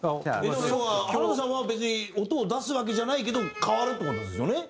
要は原田さんは別に音を出すわけじゃないけど変わるって事ですよね？